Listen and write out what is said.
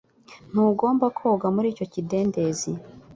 Ntugomba koga muri icyo kidendezi